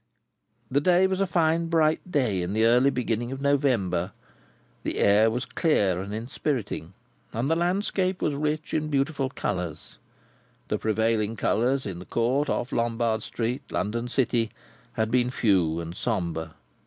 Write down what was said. The day was a fine bright day in the early beginning of November, the air was clear and inspiriting, and the landscape was rich in beautiful colours. The prevailing colours in the court off Lombard street, London city, had been few and sombre.